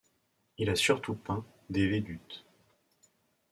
Il a surtout peint des vedute.